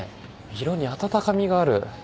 色に温かみがある。